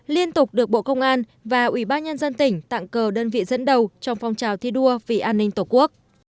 liên tục được bộ công an và ủy ban nhân dân tỉnh tặng cờ đơn vị dẫn đầu trong phong trào thi đua vì an ninh tổ quốc